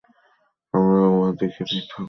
আমরা উহাদিগকে পৃথক করিতে পারি না।